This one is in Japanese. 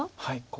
はい。